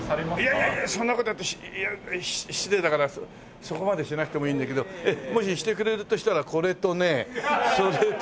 いやいやいやそんな事失礼だからそこまでしなくてもいいんだけどもししてくれるとしたらこれとねそれとアハハハ。